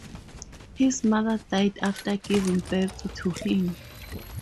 His mother died after giving birth to him.